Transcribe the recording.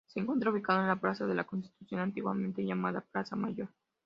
Se encuentra ubicado en la plaza de la Constitución, antiguamente llamada Plaza Mayor.